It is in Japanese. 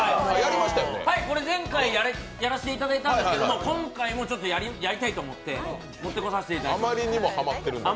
これ、前回やらせていただいたんですけど今回、またやりたいということで持ってこさせていただきました。